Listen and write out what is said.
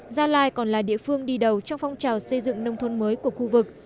gia lai còn là địa phương đi đầu trong phong trào xây dựng nông thôn mới của khu vực